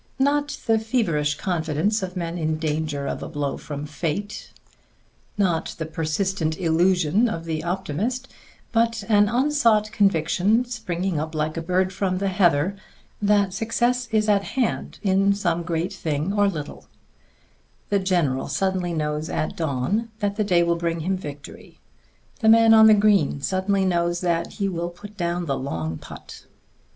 not the feverish confidence of men in danger of a blow from fate, not the persistent illusion of the optimist, but an unsought conviction, springing up like a bird from the heather, that success is at hand in some great or little thing. The general suddenly knows at dawn that the day will bring him victory; the man on the green suddenly knows that he will put down the long putt.